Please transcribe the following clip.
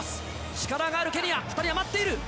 力があるケニア、２人余っている。